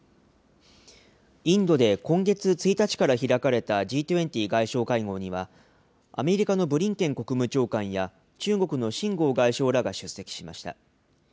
インドで今月１日から開かれたＧ２０外相会合には、アメリカのブリンケン国務長官や中国の秦剛外相らが出席しました。